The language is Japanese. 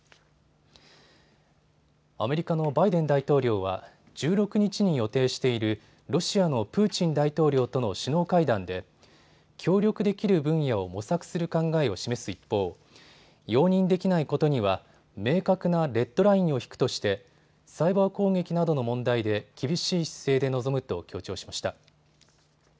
アメリカのバイデン大統領は１６日に予定しているロシアのプーチン大統領との首脳会談で協力できる分野を模索する考えを示す一方、容認できないことには明確なレッドラインを引くとしてサイバー攻撃などの問題で厳しい姿勢で臨むと強調しました。